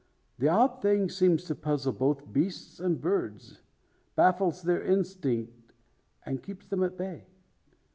The odd thing seems to puzzle both beasts and birds; baffles their instinct, and keeps them at bay.